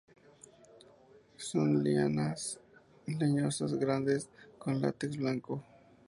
Son lianas leñosas, grandes, con látex blanco.